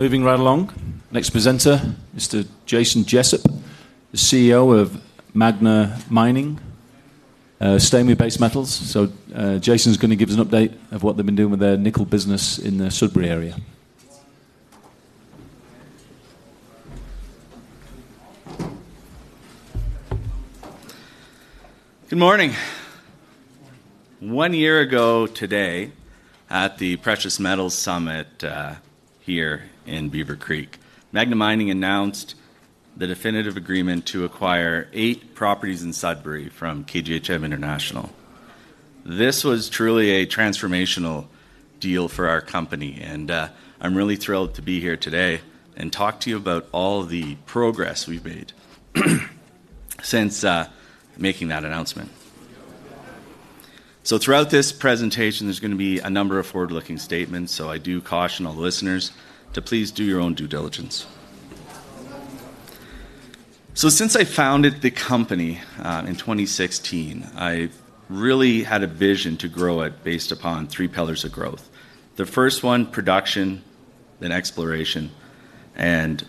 Moving right along, next presenter, Mr. Jason Jessup, CEO of Magna Mining, Stainry based Metals. So Jason is going to give us an update of what they've been doing with their nickel business in the Sudbury area. Good morning. One year ago today at the Precious Metals Summit here in Beaver Creek. Magna Mining announced the definitive agreement to acquire eight properties in Sudbury from KGHM International. This was truly a transformational deal for our company, and I'm really thrilled to be here today and talk to you about all the progress we've made since making that announcement. So throughout this presentation, there's going be a number of forward looking statements. So I do caution all listeners to please do your own due diligence. So since I founded the company in 2016, I really had a vision to grow it based upon three pillars of growth. The first one, production and exploration and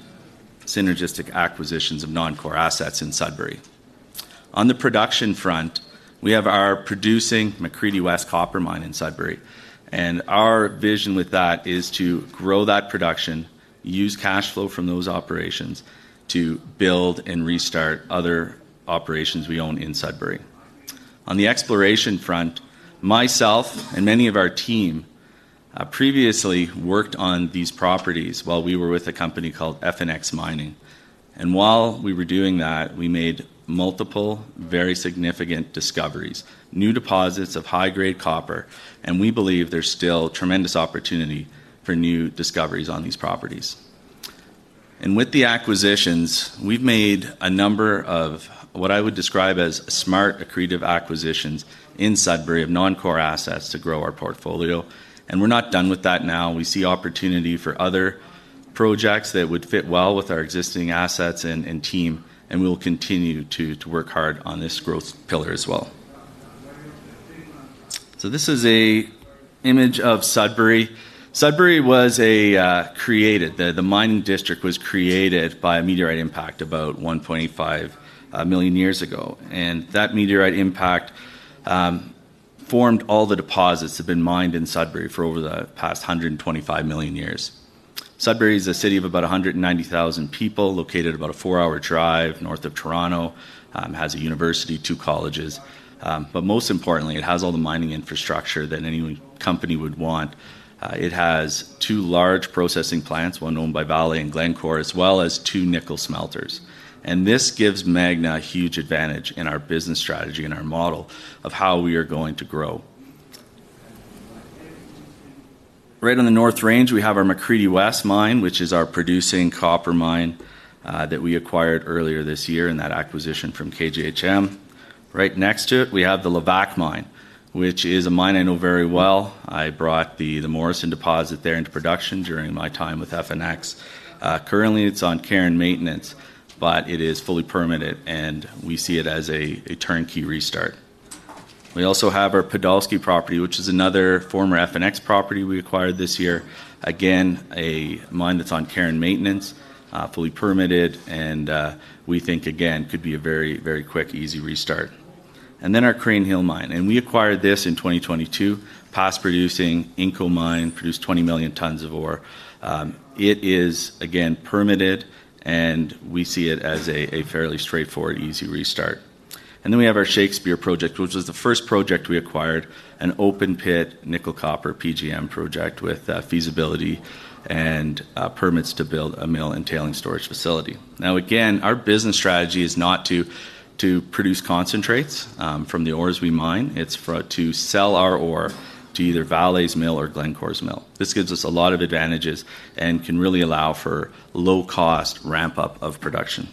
synergistic acquisitions of noncore assets in Sudbury. On the production front, we have our producing Macready West copper mine in Sudbury. And our vision with that is to grow that production, use cash flow from those operations to build and restart other operations we own in Sudbury. On the exploration front, myself and many of our team previously worked on these properties while we were with a company called FNX Mining. And while we were doing that, we made multiple very significant discoveries, new deposits of high grade copper, and we believe there's still tremendous opportunity for new discoveries on these properties. And with the acquisitions, we've made a number of what I would describe as smart accretive acquisitions in Sudbury of noncore assets to grow our portfolio. And we're not done with that now. We see opportunity for other projects that would fit well with our existing assets and team, we'll continue to work hard on this growth pillar as well. So this is an image of Sudbury. Sudbury was created the mining district was created by a meteorite impact about 1,500,000 years ago. And that meteorite impact formed all the deposits that have been mined in Sudbury for over the past one hundred and twenty five million years. Sudbury is a city of about 190,000 people located about a four hour drive north of Toronto, has a university, two colleges. But most importantly, it has all the mining infrastructure that any company would want. It has two large processing plants, one owned by Vale and Glencore as well as two nickel smelters. And this gives Magna a huge advantage in our business strategy and our model of how we are going to grow. Right on the North Range, we have our Macready West mine, which is our producing copper mine that we acquired earlier this year and that acquisition from KJHM. Right next to it, we have the Levac mine, which is a mine I know very well. I brought the Morrison deposit there into production during my time with FNX. Currently, it's on care and maintenance, but it is fully permitted, and we see it as a turnkey restart. We also have our Podolsky property, which is another former FNX property we acquired this year. Again, a mine that's on care and maintenance, fully permitted, and we think, again, could be a very, very quick, easy restart. And then our Crane Hill mine. And we acquired this in 2022, past producing Inco mine, produced 20,000,000 tonnes of ore. It is, again, permitted, and we see it as a fairly straightforward, easy restart. And then we have our Shakespeare project, which was the first project we acquired, an open pit nickel copper PGM project with feasibility and permits to build a mill and tailing storage facility. Now again, our business strategy is not to produce concentrates from the ores we mine. It's to sell our ore to either Vale's mill or Glencore's mill. This gives us a lot of advantages and can really allow for low cost ramp up of production.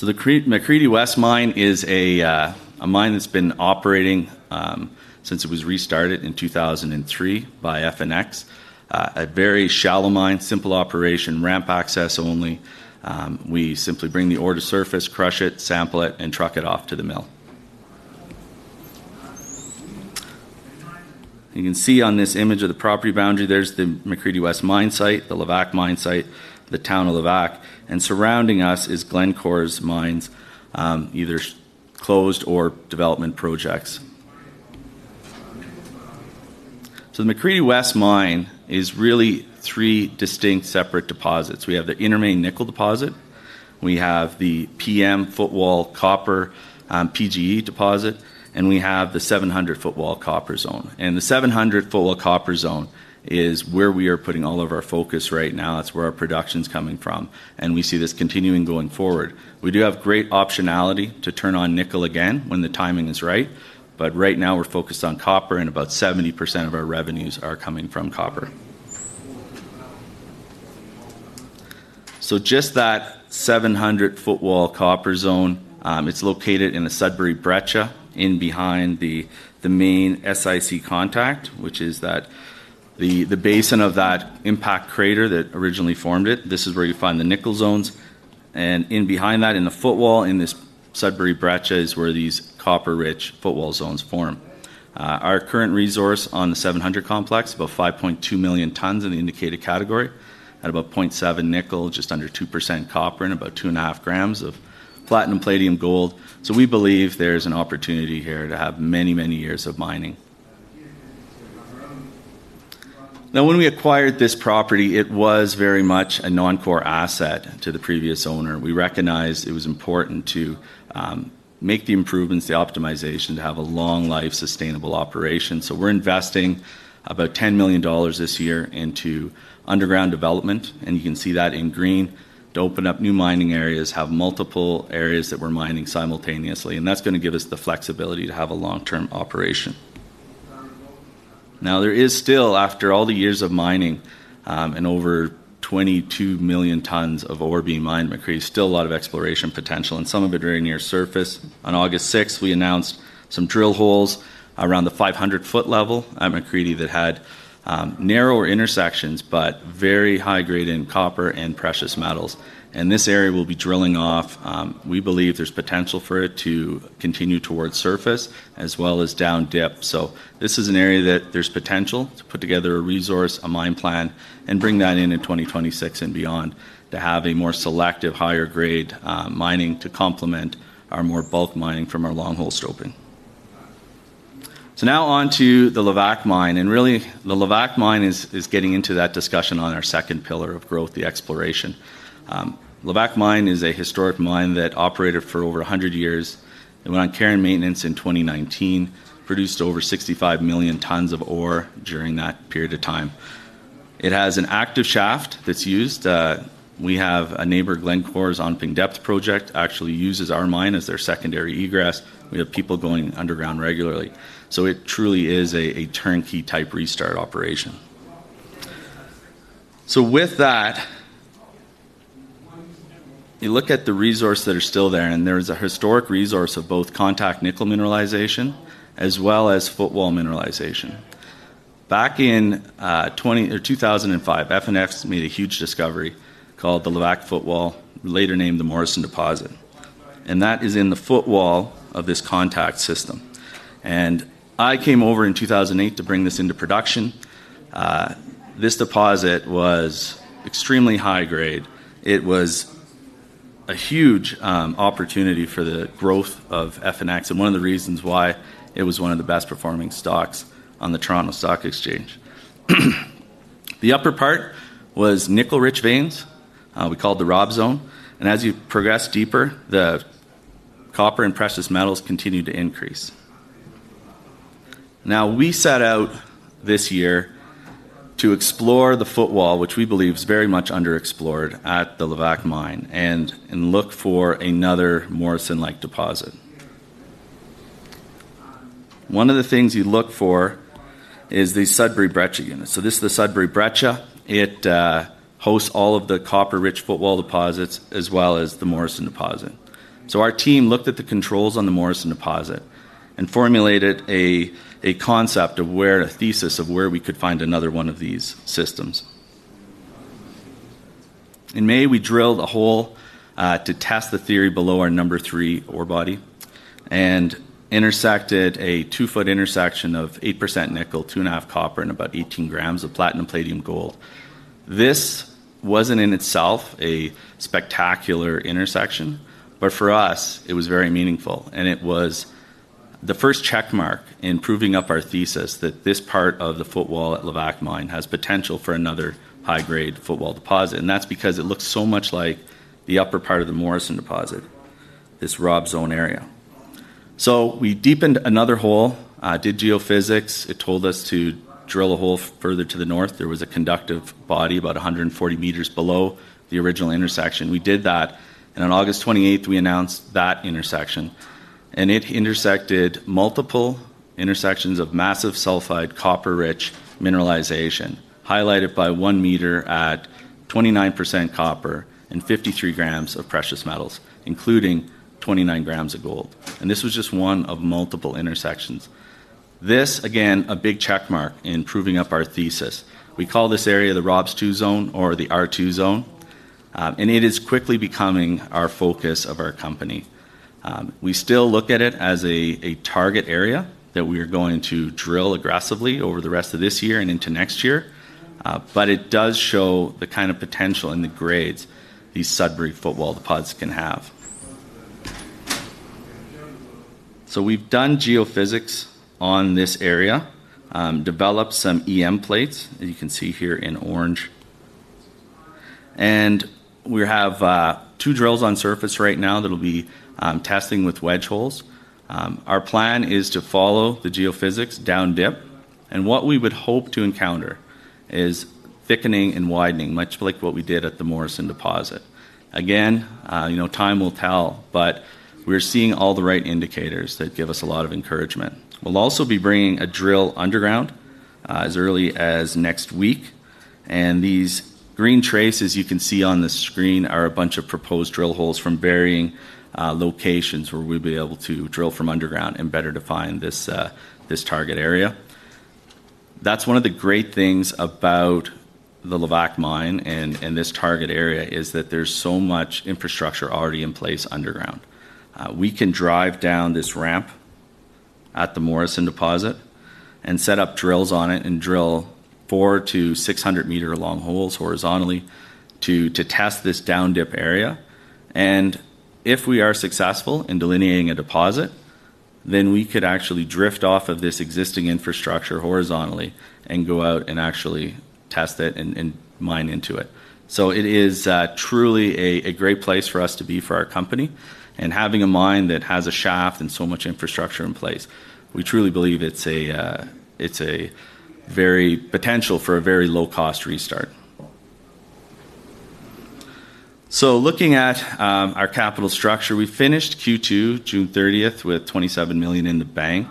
So the Macrady West Mine is a mine that's been operating since it was restarted in 2003 by FNX, A very shallow mine, simple operation, ramp access only. We simply bring the ore to surface, crush it, sample it and truck it off to the mill. You can see on this image of the property boundary, there's the McCready West Mine site, the Lavac mine site, the town of Lavac. And surrounding us is Glencore's mines, either closed or development projects. So the McCready West Mine is really three distinct separate deposits. We have the Intermane Nickel deposit. We have the PM footwall copper PGE deposit. And we have the 700 footwall copper zone. And the 700 footwall copper zone is where we are putting all of our focus right now. That's where our production is coming from. And we see this continuing going forward. We do have great optionality to turn on nickel again when the timing is right. But right now, we're focused on copper, and about 70% of our revenues are coming from copper. So just that 700 footwall copper zone, it's located in the Sudbury Breccia in behind the main SIC contact, which is that the basin of that impact crater that originally formed it. This is where you find the nickel zones. And in behind that, in the footwall, in this Sudbury Breccia, is where these copper rich footwall zones form. Our current resource on the 700 complex, about 5,200,000 tonnes in the indicated category, at about 0.7 nickel, just under 2% copper and about 2.5 grams of platinum, palladium, gold. So we believe there is an opportunity here to have many, many years of mining. Now when we acquired this property, it was very much a noncore asset to the previous owner. We recognized it was important to make the improvements, the optimization to have a long life sustainable operation. So we're investing about $10,000,000 this year into underground development, and you can see that in green, to open up new mining areas, have multiple areas that we're mining simultaneously, and that's going to give us the flexibility to have a long term operation. Now there is still, after all the years of mining and over 22,000,000 tonnes of ore being mined, Macrij is still a lot of exploration potential and some of it very near surface. On August 6, we announced some drill holes around the 500 foot level at Macready that had narrower intersections but very high grade in copper and precious metals. And this area we'll be drilling off. We believe there's potential for it to continue towards surface as well as down dip. So this is an area that there's potential to put together a resource, a mine plan and bring that in, in 2026 and beyond to have a more selective higher grade mining to complement our more bulk mining from our long hole stoping. So now on to the Lovac Mine. And really, the Lovac Mine is getting into that discussion on our second pillar of growth, the exploration. Levac Mine is a historic mine that operated for over one hundred years. It went on care and maintenance in 2019, produced over 65,000,000 tonnes of ore during that period of time. It has an active shaft that's used. We have a neighbor Glencore's on Ping Depth project, actually uses our mine as their secondary egress. We have people going underground regularly. So it truly is a turnkey type restart operation. So with that, you look at the resource that are still there, and there is a historic resource of both contact nickel mineralization as well as footwall mineralization. Back in 02/2005, FNFs made a huge discovery called the Luvak Footwall, later named the Morrison Deposit. And that is in the footwall of this contact system. And I came over in 2008 to bring this into production. This deposit was extremely high grade. It was a huge opportunity for the growth of FNX and one of the reasons why it was one of the best performing stocks on the Toronto Stock Exchange. The upper part was nickel rich veins, we call the Rob Zone. And as you progress deeper, the copper and precious metals continue to increase. Now we set out this year to explore the footwall, which we believe is very much under explored at the Levac Mine and look for another Morrison like deposit. One of the things you look for is the Sudbury breccia unit. So this is the Sudbury breccia. It hosts all of the copper rich footwall deposits as well as the Morrison deposit. So our team looked at the controls on the Morrison deposit and formulated a concept of where a thesis of where we could find another one of these systems. In May, we drilled a hole to test the theory below our three ore body and intersected a two foot intersection of 8% nickel, 2.5 copper and about 18 grams of platinum palladium gold. This wasn't in itself a spectacular intersection, but for us, it was very meaningful. And it was the first check mark in proving up our thesis that this part of the footwall at Lavac Mine has potential for another high grade footwall deposit. And that's because it looks so much like the upper part of the Morrison deposit, this Rob Zone area. So we deepened another hole, did geophysics. It told us to drill a hole further to the north. There was a conductive body about 140 meters below the original intersection. We did that. And on August 28, we announced that intersection. And it intersected multiple intersections of massive sulfide copper rich mineralization, highlighted by one meter at 29% copper and 53 grams of precious metals, including 29 grams of gold. And this was just one of multiple intersections. This, again, a big check mark in proving up our thesis. We call this area the ROBS2 zone or the R2 zone, and it is quickly becoming our focus of our company. We still look at it as a target area that we are going to drill aggressively over the rest of this year and into next year. But it does show the kind of potential and the grades these Sudbury footwall pods can have. So we've done geophysics on this area, developed some EM plates, as you can see here in orange. And we have two drills on surface right now that will be testing with wedge holes. Our plan is to follow the geophysics down dip. And what we would hope to encounter is thickening and widening, much like what we did at the Morrison Deposit. Again, time will tell, but we're seeing all the right indicators that give us a lot of encouragement. We'll also be bringing a drill underground as early as next week. And these green traces you can see on the screen are a bunch of proposed drill holes from varying locations where we'll be able to drill from underground and better define this target area. That's one of the great things about the Levac Mine and this target area is that there's so much infrastructure already in place underground. We can drive down this ramp at the Morrison Deposit and set up drills on it and drill 400 to 600 meter long holes horizontally to test this downdip area. And if we are successful in delineating a deposit, then we could actually drift off of this existing infrastructure horizontally and go out and actually test it and mine into it. So it is truly a great place for us to be for our company. And having a mine that has a shaft and so much infrastructure in place, we truly believe it's a very potential for a very low cost restart. So looking at our capital structure, we finished Q2, June 30, with $27,000,000 in the bank.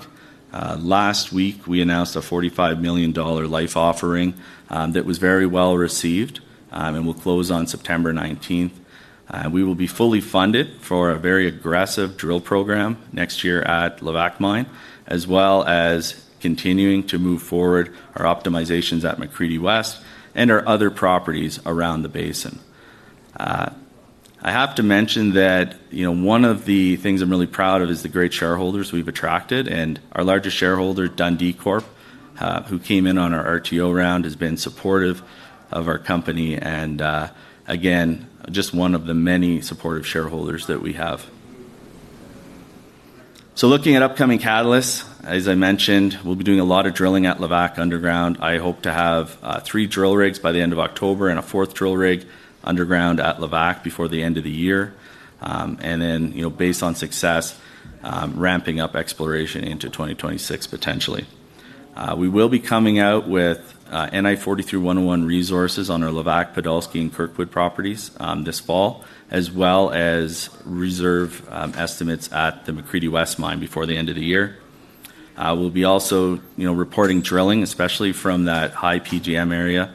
Last week, we announced a $45,000,000 life offering that was very well received and will close on September 19. We will be fully funded for a very aggressive drill program next year at Lavac Mine as well as continuing to move forward our optimizations at Macready West and our other properties around the basin. I have to mention that one of the things I'm really proud of is the great shareholders we've attracted. And our largest shareholder, Dundee Corp, who came in on our RTO round, has been supportive of our company and again, just one of the many supportive shareholders that we have. So looking at upcoming catalysts, as I mentioned, we'll be doing a lot of drilling at Levac underground. I hope to have three drill rigs by the October and a fourth drill rig underground at Lavac before the end of the year. And then based on success, ramping up exploration into 2026 potentially. We will be coming out with NI 40 three-one 101 resources on our Lavac, Podolsky and Kirkwood properties this fall as well as reserve estimates at the McCready West mine before the end of the year. We'll be also reporting drilling, especially from that high PGM area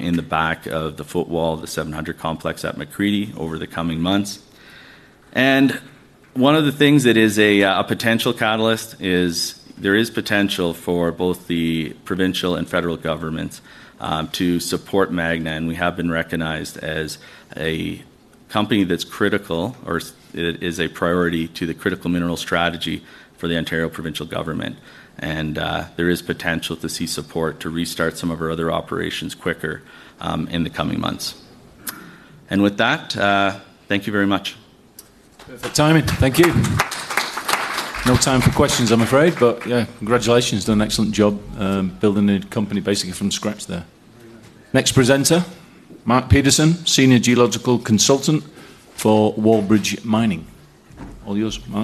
in the back of the footwall, the 700 complex at Macready over the coming months. And one of the things that is a potential catalyst is there is potential for both the provincial and federal governments to support Magna. And we have been recognized as a company that's critical or is a priority to the critical mineral strategy for the Ontario provincial government. And there is potential to see support to restart some of our other operations quicker in the coming months. And with that, thank you very much. Perfect timing. Thank you. No time for questions, I'm afraid. But yes, congratulations. You've done an excellent job building the company basically from scratch there. Next presenter, Mark Peterson, Senior Geological Consultant for Warbridge Mining. All yours, Mark?